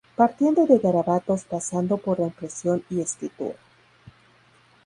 Partiendo de garabatos pasando por la impresión y escritura.